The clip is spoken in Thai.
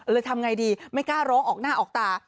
ทำไงดีไม่กล้าร้องออกหน้าออกตา